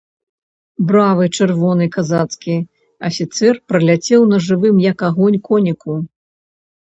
Бравы чырвоны казацкі афіцэр праляцеў на жывым, як агонь, коніку.